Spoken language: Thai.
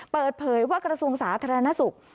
เปิดเผยว่ากระทรวงสาธารณสุข